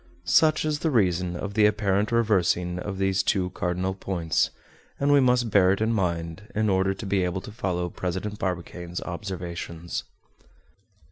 Such is the reason of the apparent reversing of these two cardinal points, and we must bear it in mind in order to be able to follow President Barbicane's observations.